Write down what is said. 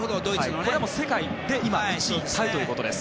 これは世界で今、１位タイということです。